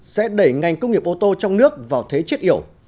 sẽ đẩy ngành công nghiệp ô tô trong nước vào thế chiết yểu